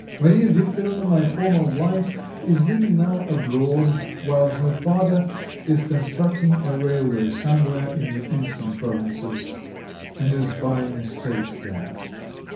Mariya Viktorovna, my former wife, is living now abroad, while her father is constructing a railway somewhere in the eastern provinces, and is buying estates there.